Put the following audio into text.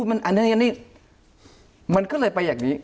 อันนี้มันก็เลยไปอย่างนี้